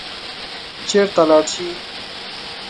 چېرته لاړ شي.